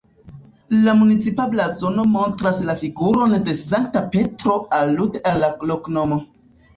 La municipa blazono montras la figuron de Sankta Petro alude al la loknomo.